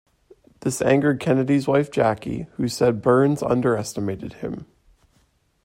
This angered Kennedy's wife Jackie, who said Burns "underestimated" him.